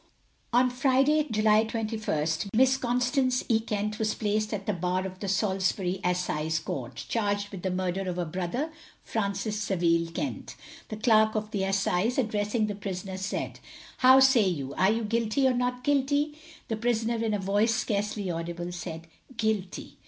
On Friday, July 21st, Miss Constance E. Kent was placed at the Bar of the Salisbury Assize Court, charged with the murder of her brother, Francis Saville Kent. The Clerk of the Assize, addressing the prisoner, said: How say you, are you guilty or not guilty? The prisoner in a voice scarcly audible, said Guilty.